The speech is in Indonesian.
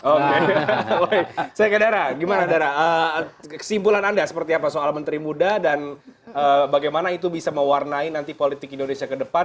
oke saya ke dara gimana dara kesimpulan anda seperti apa soal menteri muda dan bagaimana itu bisa mewarnai nanti politik indonesia ke depan